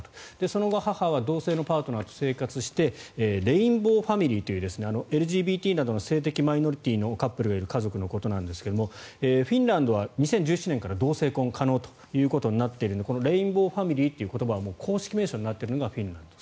その後、母は同性のパートナーと生活してレインボーファミリーというＬＧＢＴなどの性的マイノリティーのカップルのことなんですがフィンランドは２０１７年から同性婚が可能ということになっているのでレインボーファミリーという言葉が公式の言葉になっているのがフィンランド。